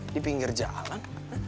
di pinggir jalan